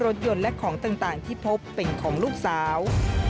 รถยนต์และของต่างที่พบเป็นของลูกสาว